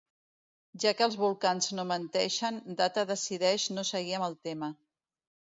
Ja que els Vulcans no menteixen, Data decideix no seguir amb el tema.